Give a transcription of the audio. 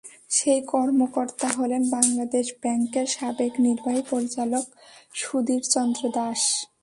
সেই কর্মকর্তা হলেন বাংলাদেশ ব্যাংকের সাবেক নির্বাহী পরিচালক সুধীর চন্দ্র দাস।